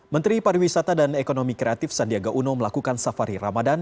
menteri pariwisata dan ekonomi kreatif sandiaga uno melakukan safari ramadan